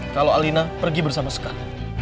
kalau alina pergi bersama sekali